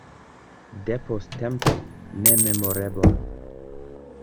Depost tempo nememorebla.